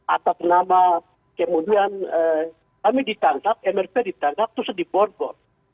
atas nama kemudian kami ditangkap mrp ditangkap terus dibor bor